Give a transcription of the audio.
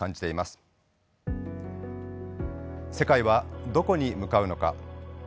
世界はどこに向かうのか。